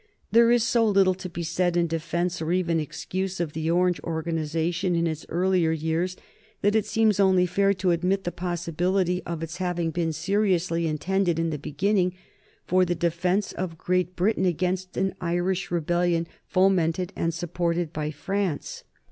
There is so little to be said in defence, or even in excuse, of the Orange organization in its earlier years that it seems only fair to admit the possibility of its having been seriously intended, in the beginning, for the defence of Great Britain against an Irish rebellion fomented and supported by France.